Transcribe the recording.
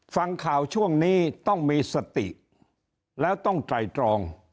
ฟังข่าวช่วงนี้ต้องมีสติแล้วต้องไตรตรอง